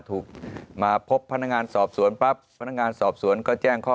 ถูกมาพบพนักงานสอบสวนปั๊บพนักงานสอบสวนก็แจ้งข้อ